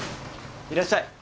いらっしゃい。